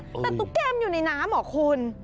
แต่ตุ๊กแกมันอยู่ในน้ำเหรอคุณ